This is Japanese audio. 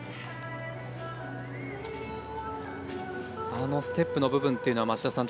あのステップの部分というのは町田さん